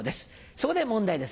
そこで問題です。